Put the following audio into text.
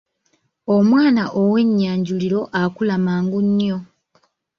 Omwana ow’Ennyanjuliro akula mangu nnyo.